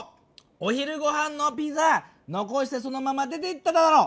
お昼ごはんのピザのこしてそのまま出ていっただろ！